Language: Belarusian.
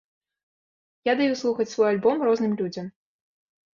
Я даю слухаць свой альбом розным людзям.